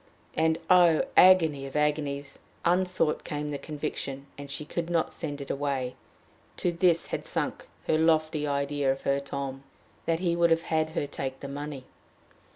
And, oh, agony of agonies! unsought came the conviction, and she could not send it away to this had sunk her lofty idea of her Tom! that he would have had her take the money!